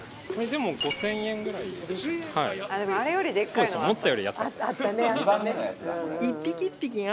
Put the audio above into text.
でも５０００円ぐらいでした。